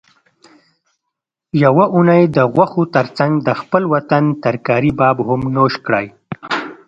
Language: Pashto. یوه اونۍ د غوښو ترڅنګ د خپل وطن ترکاري باب هم نوش کړئ